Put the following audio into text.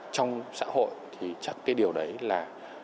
trong xã hội thì chắc cái điều đấy là